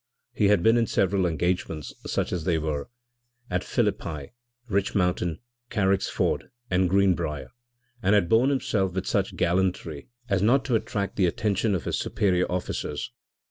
He had been in several engagements, such as they were at Philippi, Rich Mountain, Carrick's Ford and Greenbrier and had borne himself with such gallantry as not to attract the attention of his superior officers.